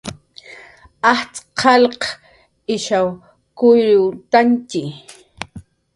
Ajtz' qalq ishaw kuyriwktantxi